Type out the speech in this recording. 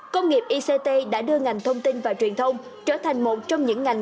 công nghiệp ict đã đưa ngành thông tin và truyền thông trở thành một trong những ngành